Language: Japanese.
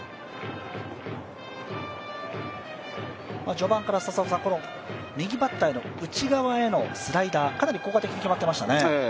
序盤から右バッターへの内側へのスライダー、かなり効果的に決まってましたね。